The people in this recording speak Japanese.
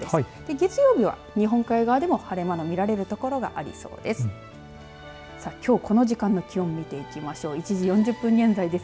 月曜日は日本海側でも晴れ間の見られる所がありそうです。